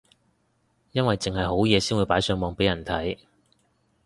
因為剩係好嘢先會擺上網俾人睇